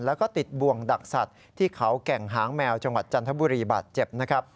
แล้วก็ติดบ่วงดักสัตว์ที่เขาแก่งหางแมวจังหวัดจันทบุรีบาดเจ็บนะครับ